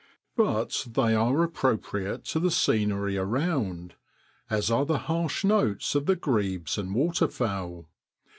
But they are appropriate to the scenery around, as are the harsh notes of the grebes and waterfowl.